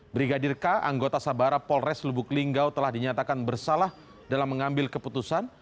brigadir k anggota sabara polres lubuk linggau telah dinyatakan bersalah dalam mengambil keputusan